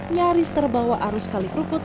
nyaris terbawa arus kali keruput